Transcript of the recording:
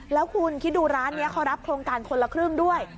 แล้วคุณคิดดูร้านนี้เขารับโครงการคนละครึ่งด้วย